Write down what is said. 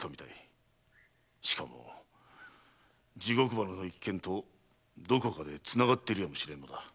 しかも地獄花の一件とどこかでつながっているやもしれぬのだ。